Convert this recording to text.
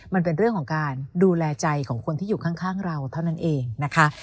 มันเป็นเรื่องของการดูแลใจของคนที่อยู่ข้างเราเท่านั้นเองนะคะ